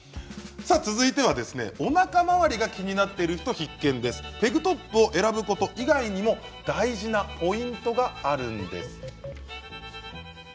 続いてはおなか回りが気になっている人必見、ペグトップを選ぶこと以外にも大事なポイントがあるんです。